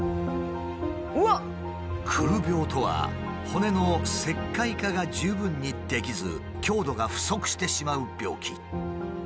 「くる病」とは骨の石灰化が十分にできず強度が不足してしまう病気。